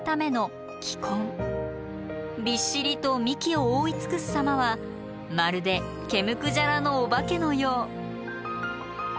びっしりと幹を覆い尽くす様はまるで毛むくじゃらのお化けのよう。